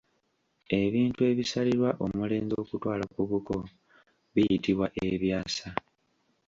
Ebintu ebisalirwa omulenzi okutwala ku buko biyitibwa ebyasa